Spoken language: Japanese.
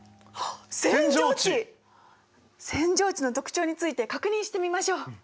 扇状地の特徴について確認してみましょう。